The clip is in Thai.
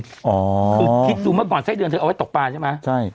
คือคิดดูเมื่อก่อนไส้เดือนเธอเอาไว้ตกปลาใช่ไหม